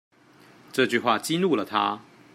這句話激怒了他